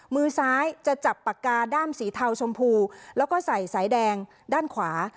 มือซ้ายจะจับปากกาด้ามสีเทาชมพูแล้วก็ใส่สายแดงด้านขวา